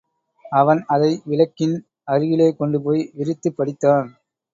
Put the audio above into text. அவன் அதை விளக்கின் அருகிலே கொண்டு போய் விரித்துப் படித்தான்.